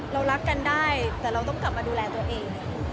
เรารักกันได้แต่เราต้องกลับมาดูแลตัวเอง